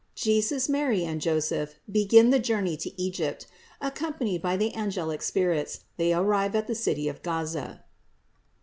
JESUS, MARY AND JOSEPH BEGIN THE JOURNEY TO EGYPT ; ACCOMPANIED BY THE ANGEUC SPIRITS, THEY ARRIVE AT THE CITY OF GAZA.